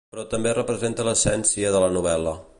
Però també representa l'essència de la novel·la.